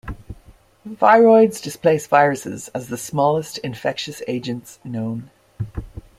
Viroids displace viruses as the smallest infectious agents known.